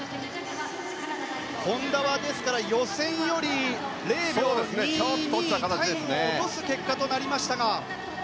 本多は、予選より０秒２２タイムを落とす結果となりましたが。